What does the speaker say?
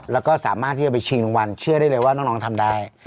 แล้วก็สามารถที่จะไปชิงรางวัลเชื่อได้เลยว่าน้องทำได้